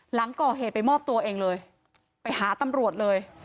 หลังก่อเหตุไปมอบตัวเองเลยไปหาตำรวจเลย